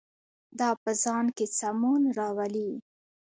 دا په ځان کې سمون راولي.